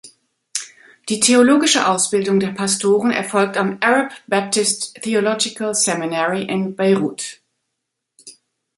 Die theologische Ausbildung der Pastoren erfolgt am "Arab Baptist Theological Seminary" in Beirut.